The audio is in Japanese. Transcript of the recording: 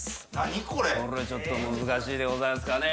これちょっと難しいでございますかね。